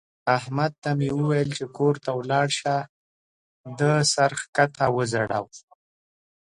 احمد ته مې وويل چې کور ته ولاړ شه؛ ده سر کښته وځړاوو.